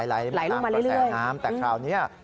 ไหลลงมาเรื่อยแต่คราวนี้นะ